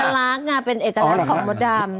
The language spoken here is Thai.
มันเป็นเอกลักษณ์เป็นเอกลักษณ์ของรักษณ์